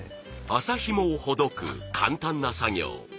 麻ひもをほどく簡単な作業。